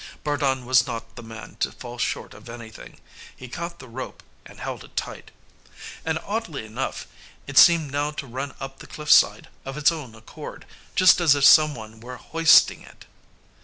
Bardun was not the man to fall short of anything. He caught the rope and held it tight. And, oddly enough, it seemed now to run up the cliff side of its own accord, just as if some one were hoisting it.